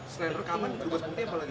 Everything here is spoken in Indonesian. selain rekaman dua belas peti apa lagi